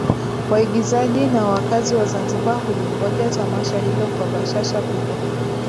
Waigizaji na wakazi wa Zanzibar hulingoja Tamasha Hilo kwa bashasha kubwa